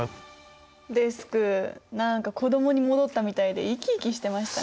デスク何か子どもに戻ったみたいで生き生きしてましたね。